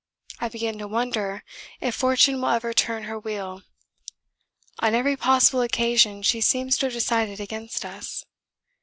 I begin to wonder if fortune will ever turn her wheel. On every possible occasion she seems to have decided against us.